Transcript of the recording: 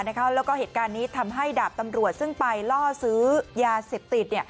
แล้วก็เหตุการณ์นี้ทำให้ดาบตำรวจซึ่งไปล่อซื้อยาเสพติด